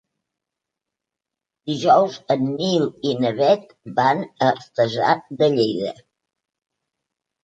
Dijous en Nil i na Bet van a Artesa de Lleida.